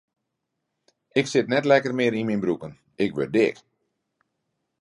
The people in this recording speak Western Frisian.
Ik sit net mear lekker yn myn broeken, ik wurd dik.